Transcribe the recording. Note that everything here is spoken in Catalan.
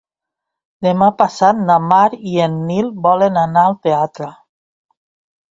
Demà passat na Mar i en Nil volen anar al teatre.